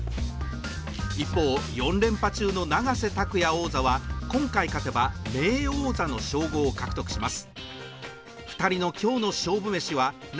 一方、４連覇中の永瀬拓矢王座は今回勝てば名誉王座の称号を獲得します。